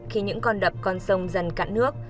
khi những con đập con sông dần cạn nước